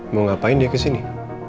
mau ngapain dia kesini